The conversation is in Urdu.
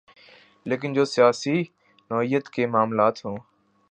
لیکن جو سیاسی نوعیت کے معاملات ہوں۔